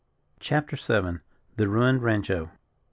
CHAPTER VII. THE RUINED RANCHO.